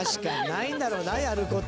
ないんだろうな、やる事。